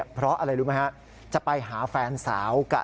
เพราะอะไรรู้ไหมฮะจะไปหาแฟนสาวกับ